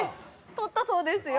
取ったそうですよ